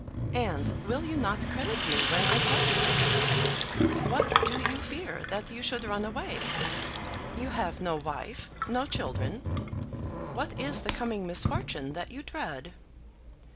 "And will you not credit me when I tell you this? What do you fear, that you should run away? You have no wife; no children. What is the coming misfortune that you dread?"